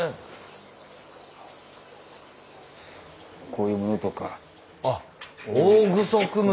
こういうものとか。